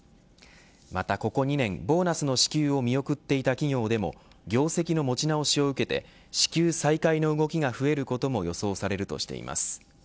またここ２年、ボーナスの支給を見送っていた企業でも業績の持ち直しを受けて支給再開な動きが増えることも予想されるとしています。